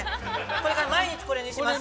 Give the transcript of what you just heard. これから毎日、これにします。